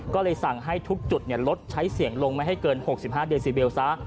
ก็เลยสั่งให้ทุกจุดลดใช้เสียงลงไม่ให้เกิน๖๕เดซิเบลซะ